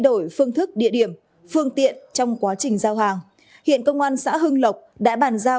đổi phương thức địa điểm phương tiện trong quá trình giao hàng hiện công an xã hưng lộc đã bàn giao